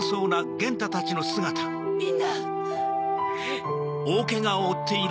みんな！